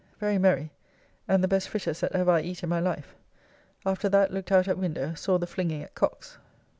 Very merry and the best fritters that ever I eat in my life. After that looked out at window; saw the flinging at cocks.